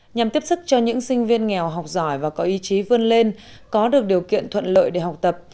nhằm tiếp sức cho những sinh viên nghèo học giỏi và có ý chí vươn lên có được điều kiện thuận lợi để học tập